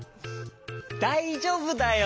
だいじょうぶだよ！